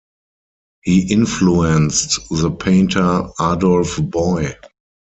He influenced the painter Adolf Boy.